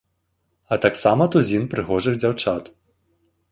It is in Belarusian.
А таксама тузін прыгожых дзяўчат.